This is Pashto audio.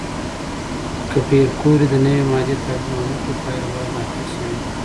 که پېیر کوري د نوې ماده تحلیل ونه کړي، پایله به ناقصه وي.